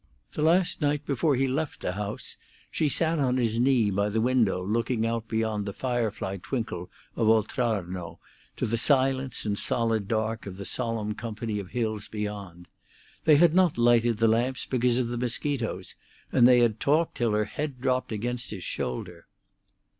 The last night before he left the house she sat on his knee by the window looking out beyond the firefly twinkle of Oltrarno, to the silence and solid dark of the solemn company of hills beyond. They had not lighted the lamps because of the mosquitoes, and they had talked till her head dropped against his shoulder.